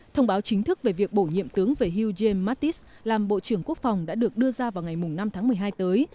thông báo chính thức về việc bổ nhiệm tướng về huj mattis làm bộ trưởng quốc phòng đã được đưa ra vào ngày năm tháng một mươi hai tới